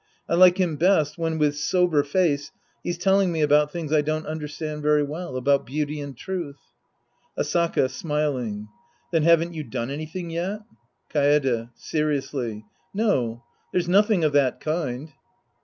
I like him best when, with sober face, he's telling me about things I don't understand very well, about beauty and truth. Asaka (smiling). Then haven't you done any thing yet ? Kaede {seriously). No. There's nothing of that kind.